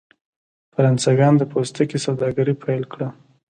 فرانسویانو د پوستکي سوداګري پیل کړه.